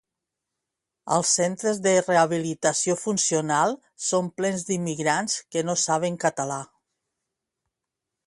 Els centres de rehabilitació funcional són plens d'immigrants que no saben català